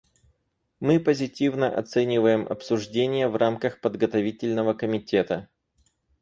Мы позитивно оцениваем обсуждения в рамках подготовительного комитета.